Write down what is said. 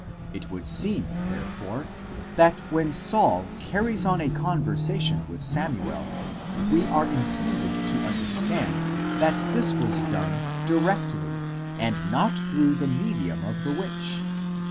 It would seem, therefore, that when Saul carries on a conversation with Samuel, we are intended to under stand that this was done directly, and not through the medium of the witch.